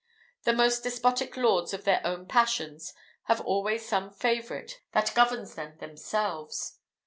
The most despotic lords of their own passions have always some favourite that governs them themselves.